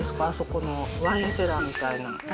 あそこの、ワインセラーみたいな。